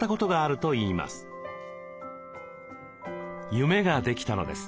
夢ができたのです。